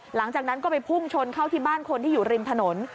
หลังจากนั้นก็ไปพุ่งชนเข้าที่บ้านคนที่อยู่ริมถนน